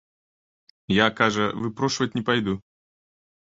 Я, кажа, выпрошваць не пайду.